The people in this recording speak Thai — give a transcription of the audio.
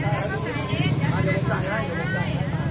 อันดับอันดับอันดับอันดับ